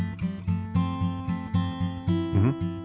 うん？